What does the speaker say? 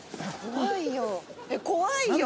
怖いよ。